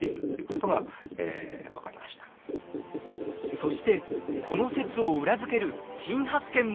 そしてこの説を裏付ける新発見も！